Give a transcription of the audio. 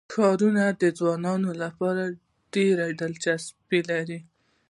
ښارونه د ځوانانو لپاره ډېره دلچسپي لري.